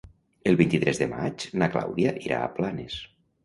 El vint-i-tres de maig na Clàudia irà a Planes.